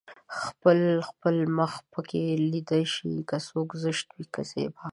خپل خپل مخ پکې ليده شي که څوک زشت وي که زيبا